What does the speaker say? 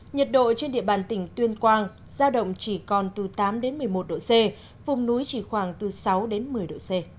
nhiệt độ trên địa bàn tỉnh tuyên quang giao động chỉ còn từ tám đến một mươi một độ c vùng núi chỉ khoảng từ sáu đến một mươi độ c